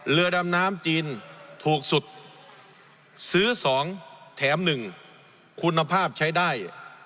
เรือดำน้ำจีนถูกสุดซื้อ๒แถม๑คุณภาพใช้ได้